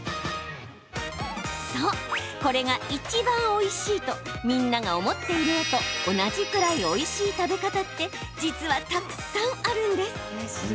そう、これがいちばんおいしいとみんなが思っているのと同じくらいおいしい食べ方って実は、たくさんあるんです。